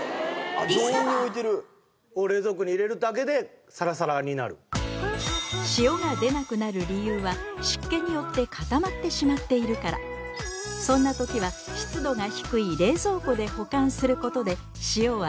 常温に置いてる冷蔵庫に入れるだけでサラサラになる塩が出なくなる理由は湿気によって固まってしまっているからそんな時は湿度が低いなります